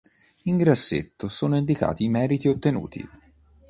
In grassetto sono indicati i meriti ottenuti.